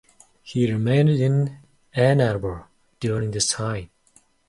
He remained in Ann Arbor during this time.